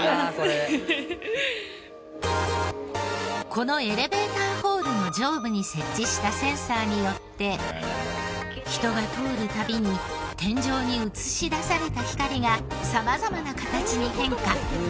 このエレベーターホールの上部に設置したセンサーによって人が通る度に天井に映し出された光が様々な形に変化。